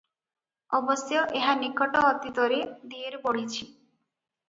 ଅବଶ୍ୟ ଏହା ନିକଟ ଅତୀତରେ ଢେର ବଢ଼ିଛି ।